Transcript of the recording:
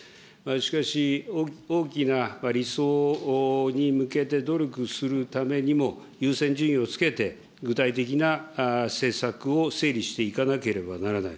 しかし、大きな理想に向けて努力するためにも、優先順位をつけて、具体的な政策を整理していかなければならない。